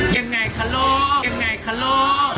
ยังไงคะลูก